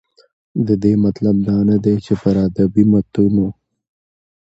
د دې مطلب دا نه دى، چې پر ادبي متونو